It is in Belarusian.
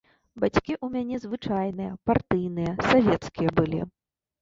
Бацькі ў мяне звычайныя, партыйныя, савецкія былі.